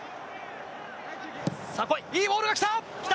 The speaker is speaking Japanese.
いいボールが来た！来た！